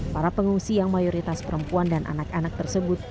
para pengungsi yang mayoritas perempuan dan anak anak tersebut